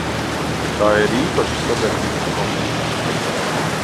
Tā ir īpaša sadarbības komūna.